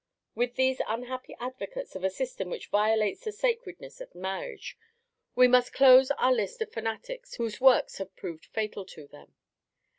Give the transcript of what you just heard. With these unhappy advocates of a system which violates the sacredness of marriage, we must close our list of fanatics whose works have proved fatal to them.